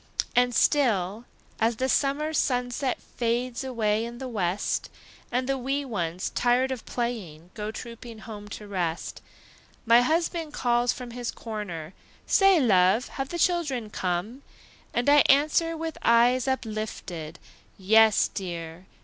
And still, as the summer sunset Fades away in the west, And the wee ones, tired of playing, Go trooping home to rest, My husband calls from his corner, "Say, love, have the children come?" And I answer, with eyes uplifted, "Yes, dear!